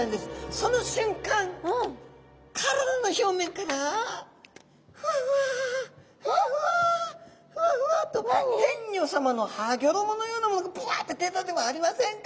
その瞬間体の表面からふわふわふわふわふわふわっと天女さまのはギョろものようなものがバッと出たではありませんか！